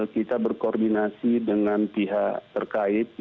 kita berkoordinasi dengan pihak terkait